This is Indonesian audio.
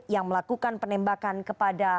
yang melakukan penembakan kepada